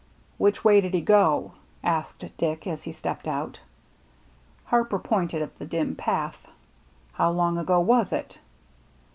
" Which way did he go ?" asked Dick, as he stepped out. Harper pointed at the dim path. " How long ago was it